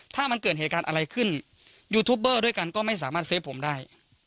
ถ้ามันเกิดเหตุการณ์อะไรขึ้นยูทูปเบอร์ด้วยกันก็ไม่สามารถเฟฟผมได้